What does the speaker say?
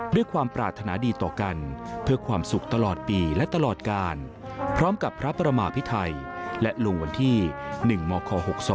ด้วยความปรารถนาดีต่อกันเพื่อความสุขตลอดปีและตลอดกาลพร้อมกับพระประมาพิไทยและลงวันที่๑มค๖๒